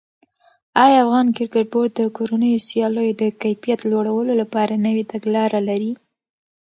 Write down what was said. آیا افغان کرکټ بورډ د کورنیو سیالیو د کیفیت لوړولو لپاره نوې تګلاره لري؟